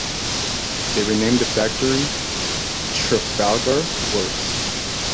They renamed the Factory "Trafalgar Works".